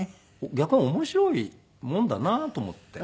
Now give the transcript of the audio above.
逆に面白いもんだなと思って。